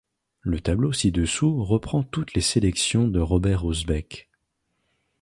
Le tableau ci-dessous reprend toutes les sélections de Robert Roosbeeck.